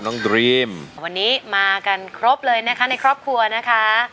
ดรีมวันนี้มากันครบเลยนะคะในครอบครัวนะคะ